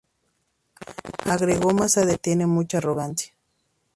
Agregó más adelante: Tiene mucha arrogancia.